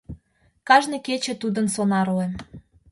Кажне кече тудын — сонарле.